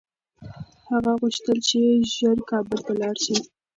هغه غوښتل چي ژر کابل ته لاړ شي.